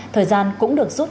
thời gian cũng được giúp đỡ